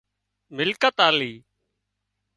ملڪيت آلي